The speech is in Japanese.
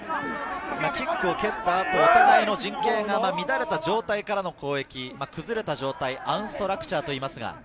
キックを蹴ったあと、お互いの陣形が乱れた状態からの攻撃、崩れた状態アンストラクチャーといいますが。